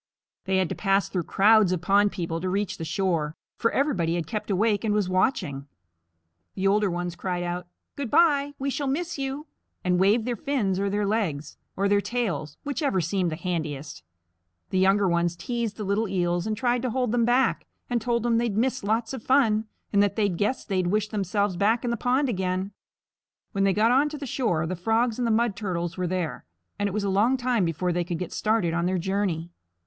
They had to pass through crowds of pond people to reach the shore, for everybody had kept awake and was watching. The older ones cried out, "Good bye; we shall miss you," and waved their fins or their legs, or their tails, whichever seemed the handiest. The younger ones teased the little Eels and tried to hold them back, and told them they'd miss lots of fun, and that they guessed they'd wish themselves back in the pond again. When they got onto the shore, the Frogs and the Mud Turtles were there, and it was a long time before they could get started on their journey.